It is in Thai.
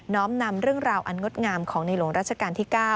้อมนำเรื่องราวอันงดงามของในหลวงราชการที่๙